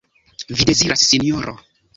Vi deziras, Sinjoro?